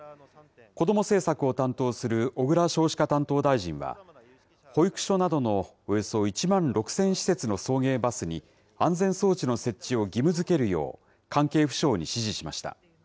こども政策を担当する小倉少子化担当大臣は、保育所などのおよそ１万６０００施設の送迎バスに、安全装置の設置を義務づけるよう、関係府省に指示しました。